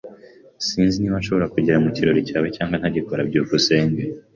Sinzi niba nshobora kugera mu kirori cyawe cyangwa ntagikora. byukusenge